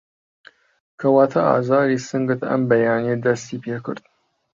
کەواته ئازاری سنگت ئەم بەیانیه دستی پێکرد